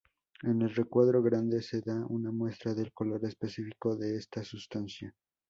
En el recuadro grande se da una muestra del color específico de esta sustancia.